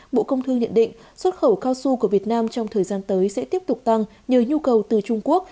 bộ công thương nhận định xuất khẩu cao su của việt nam trong thời gian tới sẽ tiếp tục tăng nhờ nhu cầu từ trung quốc